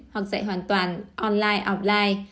hoặc dạy hoàn toàn online offline